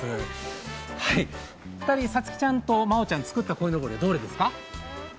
さつきちゃんとまおちゃん、作ったこいのぼりはどれですか？